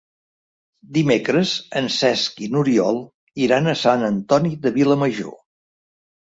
Dimecres en Cesc i n'Oriol iran a Sant Antoni de Vilamajor.